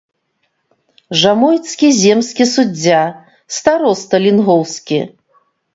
Жамойцкі земскі суддзя, староста лінгоўскі.